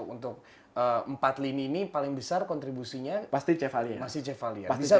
untuk empat lini ini paling besar kontribusinya pasti chevali